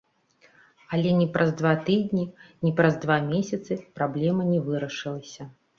Але ні праз два тыдні, ні праз два месяцы праблема не вырашылася.